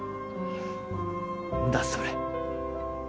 んだそれ